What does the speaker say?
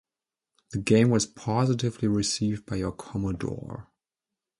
The game was positively received by Your Commodore.